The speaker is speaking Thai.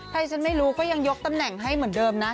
ถ้าที่ฉันไม่รู้ก็ยังยกตำแหน่งให้เหมือนเดิมนะ